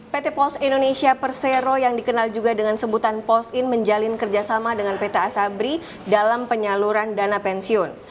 pt pos indonesia persero yang dikenal juga dengan sebutan pos in menjalin kerjasama dengan pt asabri dalam penyaluran dana pensiun